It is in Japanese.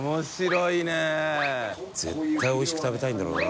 絶対おいしく食べたいんだろうな。